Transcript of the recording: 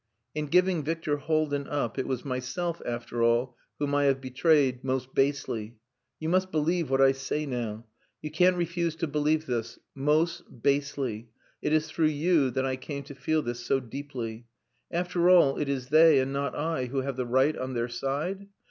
In giving Victor Haldin up, it was myself, after all, whom I have betrayed most basely. You must believe what I say now, you can't refuse to believe this. Most basely. It is through you that I came to feel this so deeply. After all, it is they and not I who have the right on their side!